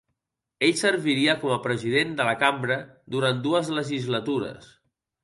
Ell serviria com a President de la Cambra durant dues legislatures.